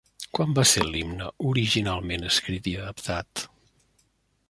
Quan va ser l'himne originalment escrit i adaptat?